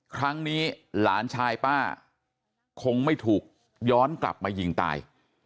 ครั้งนี้หลานชายป้าคงไม่ถูกย้อนกลับมายิงตาย